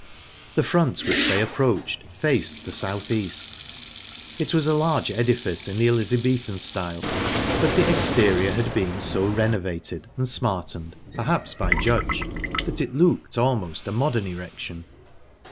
The front, which they approached, faced the south east. It was a large edifice, in the Elizabethan style, but the exterior had been so renovated and smartened perhaps by Judge that it looked almost a modern erection.